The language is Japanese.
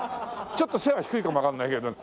ちょっと背が低いかもわかんないけど。